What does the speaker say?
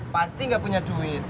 pasti gak punya duit